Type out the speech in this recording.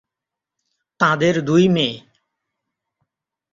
তাঁদের দুই মেয়ে।